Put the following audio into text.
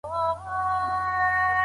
جګړه د روغتیا ستر دښمنه ده؟